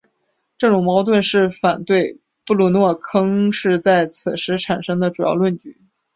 这种矛盾是反对布鲁诺坑是在此时产生的主要论据。